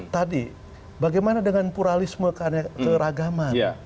tadi bagaimana dengan pluralisme keragaman